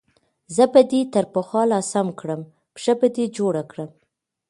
زه به دې تر پخوا لا سم کړم، پښه به دې جوړه کړم.